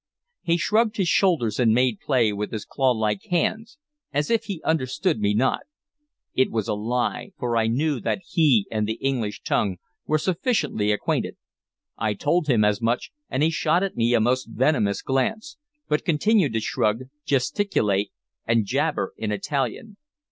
He shrugged his shoulders and made play with his clawlike hands, as if he understood me not. It was a lie, for I knew that he and the English tongue were sufficiently acquainted. I told him as much, and he shot at me a most venomous glance, but continued to shrug, gesticulate, and jabber in Italian.